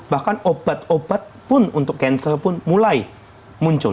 bahkan obat obat pun untuk cancel pun mulai muncul